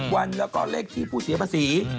วันแล้วก็เลขที่ผู้เสียภาษี